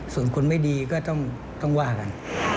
ส่วนคนไม่ดีก็ต้องว่ากัน